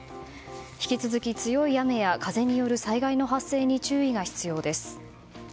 引き続き、強い雨や風による災害の発生に注意が必要です。